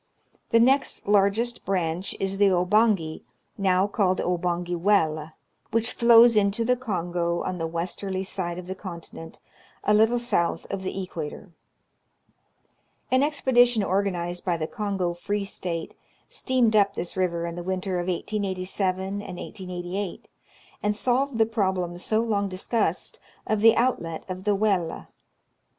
The next largest branch is the Obangi, now called the Obangi Welle, which Hows into the Kongo on the westerly side of the conti nent, a little south of the equator. An expedition organized by the Kongo Free State steamed up this river in the winter of 1887 and 1888, and solved the problem so long discussed, of the outlet of the Welle.